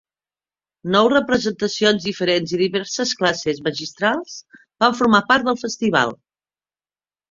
Nou representacions diferents i diverses classes magistrals van formar part del festival.